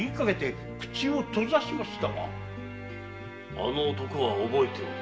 あの男は覚えておる。